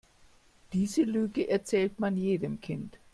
Diese Lüge erzählt man jedem Kind.